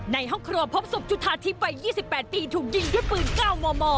ในห้องครัวพบศุกร์จุฐาทิบวัย๒๘ตีถูกยิงด้วยปืนเก้าม่อ